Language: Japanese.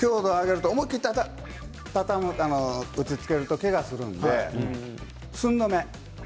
思い切って打ちつけるとけがをするので寸止め。